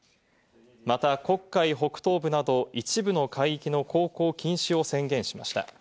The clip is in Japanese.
また黒海北東部など一部の海域の航行禁止を宣言しました。